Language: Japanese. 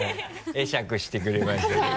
会釈してくれましたよ。